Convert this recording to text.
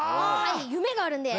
夢があるんで。